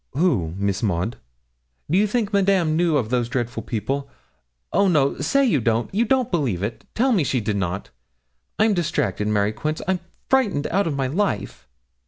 'Who, Miss Maud?' 'Do you think Madame knew of those dreadful people? Oh, no say you don't you don't believe it tell me she did not. I'm distracted, Mary Quince, I'm frightened out of my life.'